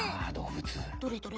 どれどれ？